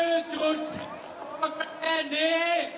คือจุดที่ความแข็งดี